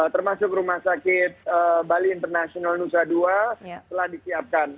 termasuk rumah sakit bali international nusa dua telah disiapkan